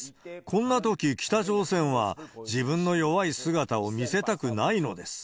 こんなとき北朝鮮は、自分の弱い姿を見せたくないのです。